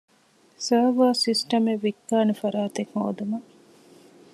ސާވާރ ސިސްޓަމެއް ވިއްކާނެ ފަރާތެއްހޯދުމަށް